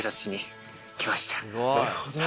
なるほどね。